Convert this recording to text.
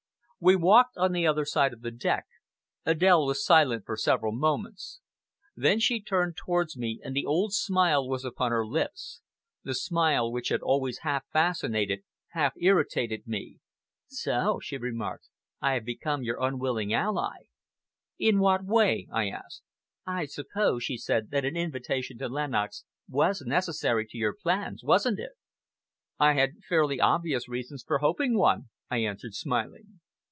..." We walked on the other side of the deck. Adèle was silent for several moments. Then she turned towards me, and the old smile was upon her lips the smile which had always half fascinated, half irritated me. "So," she remarked, "I have become your unwilling ally." "In what way?" I asked. "I suppose," she said, "that an invitation to Lenox was necessary to your plans, wasn't it?" "I had fairly obvious reasons for hoping for one," I answered, smiling.